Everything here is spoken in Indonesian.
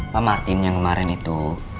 pak martin yang kemarin itu